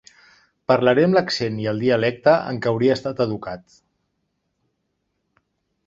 Parlaré amb l'accent i el dialecte en què hauria estat educat.